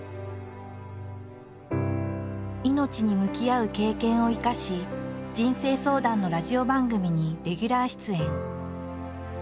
命に向き合う経験を生かし人生相談のラジオ番組にレギュラー出演。